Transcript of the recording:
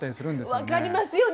分かりますよね！